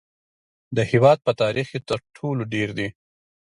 د هیواد په تاریخ کې تر ټولو ډیر دي